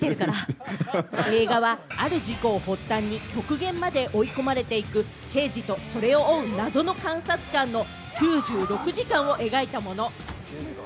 映画はある事故を発端に極限まで追い込まれていく刑事と、それを追う、謎の監察官の９６時間を描いたもの。